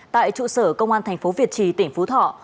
tại trụ sở công an thành phố việt trì tỉnh phú thọ